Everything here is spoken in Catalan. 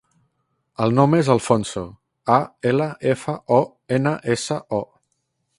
El nom és Alfonso: a, ela, efa, o, ena, essa, o.